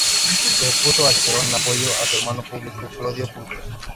Se opuso a Cicerón en apoyo a su hermano Publio Clodio Pulcro.